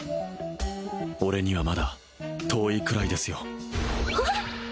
俺にはまだ遠いくらいですよへっ？